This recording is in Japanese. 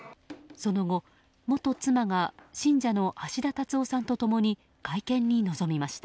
その後、元妻が信者の橋田達夫さんと共に会見に臨みました。